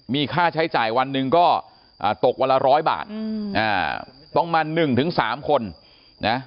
มีค่าใช้จ่ายวันหนึ่งก็ตกวันละ๑๐๐บาทต้องมา๑๓คนนะ